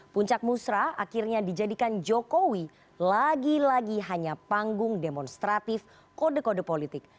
puncak musrah akhirnya dijadikan jokowi lagi lagi hanya panggung demonstratif kode kode politik